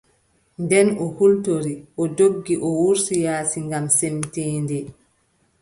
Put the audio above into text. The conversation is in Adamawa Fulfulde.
Nden o hultori o doggi o wurti yaasi ngam semteende.